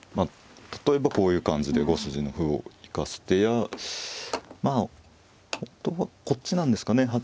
例えばこういう感じで５筋の歩を生かす手やあとはこっちなんですかね。